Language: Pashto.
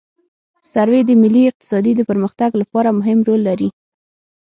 سروې د ملي اقتصاد د پرمختګ لپاره مهم رول لري